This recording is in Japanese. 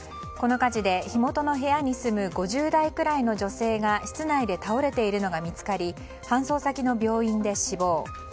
この火事で火元の部屋に住む５０代くらいの女性が室内で倒れているのが見つかり搬送先の病院で死亡。